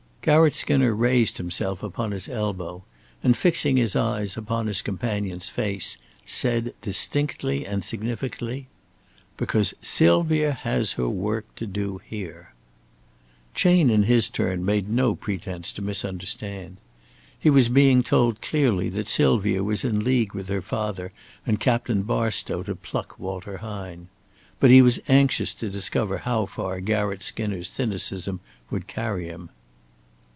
Garratt Skinner raised himself upon his elbow, and fixing his eyes upon his companion's face, said distinctly and significantly: "Because Sylvia has her work to do here." Chayne in his turn made no pretence to misunderstand. He was being told clearly that Sylvia was in league with her father and Captain Barstow to pluck Walter Hine. But he was anxious to discover how far Garratt Skinner's cynicism would carry him.